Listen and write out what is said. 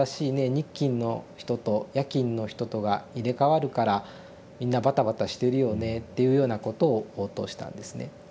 日勤の人と夜勤の人とが入れ代わるからみんなバタバタしてるよね」っていうようなことを応答したんですね。